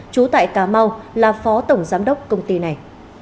trú tại cà mau là phó tổng giám đốc công ty này